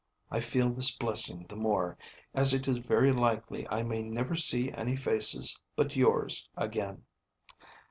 I feel this blessing the more, as it is very likely I may never see any faces but yours again."